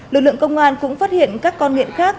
lực lượng công an cũng phát hiện các con nghiện khác